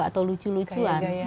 itu kan biasa ya karena kekiniannya